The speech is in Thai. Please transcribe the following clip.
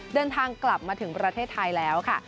เดินทางกลับมาถึงประเทศไทยแล้วค่ะ